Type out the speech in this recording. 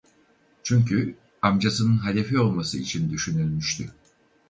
Çünkü amcasının halefi olması için düşünülmüştü.